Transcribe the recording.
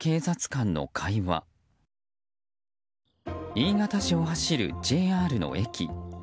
新潟市を走るＪＲの駅。